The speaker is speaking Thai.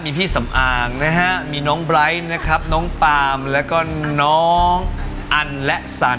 มีพี่สำอางนะฮะมีน้องไบร์ทนะครับน้องปาล์มแล้วก็น้องอันและสัน